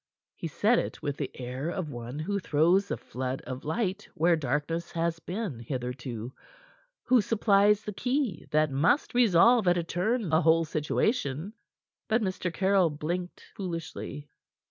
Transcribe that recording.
He said it with the air of one who throws a flood of light where darkness has been hitherto, who supplies the key that must resolve at a turn a whole situation. But Mr. Caryll blinked foolishly.